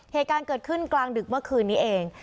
เหตุการณ์เกิดขึ้นกลางดึกเมื่อคืนนี้เอง